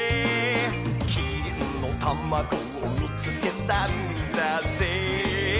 「きんのたまごをみつけたんだぜ」